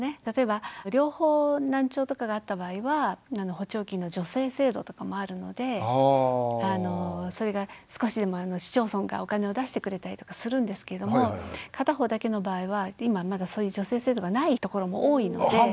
例えば両方難聴とかがあった場合は補聴器の助成制度とかもあるのでそれが少しでも市町村がお金を出してくれたりとかするんですけれども片方だけの場合は今はまだそういう助成制度がないところも多いので。